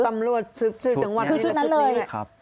ตำรวจสืบจังหวัดคือชุดนั้นเลย